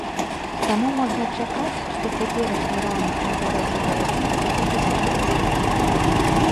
Таму можна чакаць, што цяперашні раўнд інтарэсу да лацінкі будзе сыходзіць.